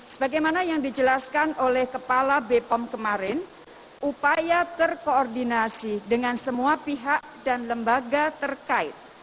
sebagaimana yang dijelaskan oleh kepala bpom kemarin upaya terkoordinasi dengan semua pihak dan lembaga terkait